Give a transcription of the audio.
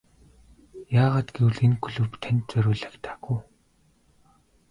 Яагаад гэвэл энэ клуб танд зориулагдаагүй.